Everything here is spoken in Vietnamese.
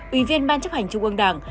ủy viên ban chấp hành trung mương đảng